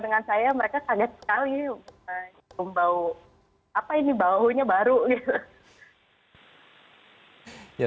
apa ini baunya baru